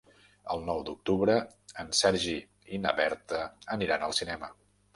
El nou d'octubre en Sergi i na Berta aniran al cinema.